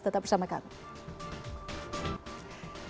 tetap bersama kami